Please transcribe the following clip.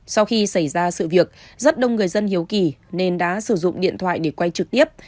sau khi xảy ra sự việc rất đông người dân hiếu kỳ nên đã sử dụng điện thoại để quay trực tiếp